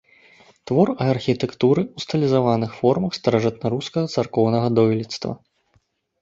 Твор архітэктуры ў стылізаваных формах старажытнарускага царкоўнага дойлідства.